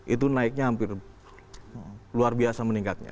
itu naiknya hampir luar biasa meningkatnya